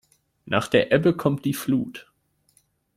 Nach der Ebbe kommt die Flut.